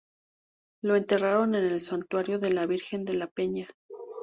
Lo enterraron en el santuario de la Virgen de la Peña.